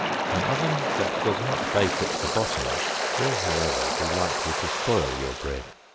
An oven that does not bake at the bottom will, however, be likely to spoil your bread.